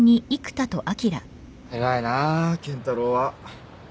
偉いな健太郎は。